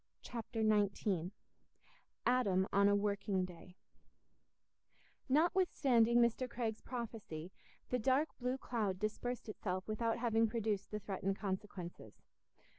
Chapter XIX Adam on a Working Day Notwithstanding Mr. Craig's prophecy, the dark blue cloud dispersed itself without having produced the threatened consequences.